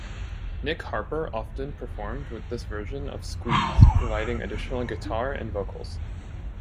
Nick Harper often performed with this version of Squeeze, providing additional guitar and vocals.